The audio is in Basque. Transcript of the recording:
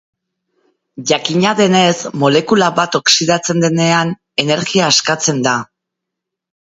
Jakina denez, molekula bat oxidatzen denean energia askatzen da.